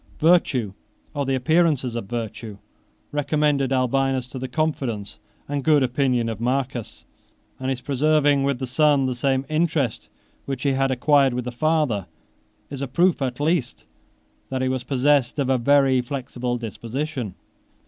Virtue, or the appearances of virtue, recommended Albinus to the confidence and good opinion of Marcus; and his preserving with the son the same interest which he had acquired with the father, is a proof at least that he was possessed of a very flexible disposition.